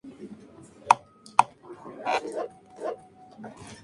La película ni justifica la homosexualidad ni la crítica.